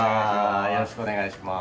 よろしくお願いします。